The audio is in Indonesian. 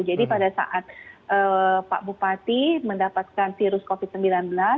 jadi pada saat bapak bupati mendapatkan virus covid sembilan belas